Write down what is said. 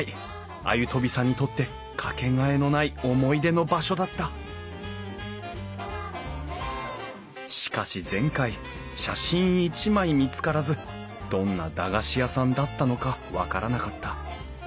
鮎飛さんにとって掛けがえのない思い出の場所だったしかし前回写真一枚見つからずどんな駄菓子屋さんだったのか分からなかった。